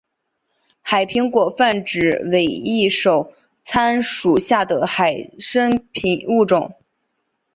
海苹果泛指伪翼手参属下的海参物种。